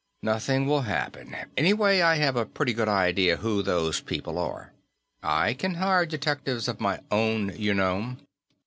"Nothing will happen. Anyway, I have a pretty good idea who those people are; I can hire detectives of my own, you know."